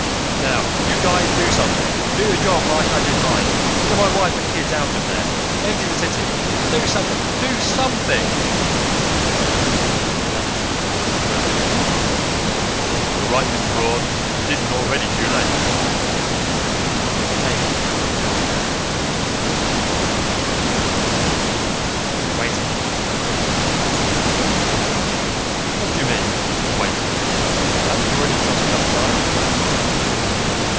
"Now you guys do something, do your job like I did mine get my wife and kids out of there empty the city do something, do something!" Anderton was already grabbing for the phone. "You're right, Mr. Braun. If it isn't already too late " Cheyney shot out a hand and caught Anderton's telephone arm by the wrist. "Wait a minute," he said. "What d'you mean, 'wait a minute'? Haven't you already shot enough time?"